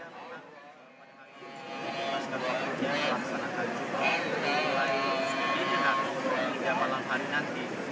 pada hari ini jumroh sudah dilakukan oleh jemaah haji